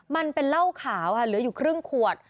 มันเป็นเหล้าขาวค่ะเหลืออยู่ครึ่งขวด